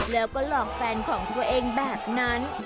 แล้วก็หลอกแฟนของตัวเองแบบนั้น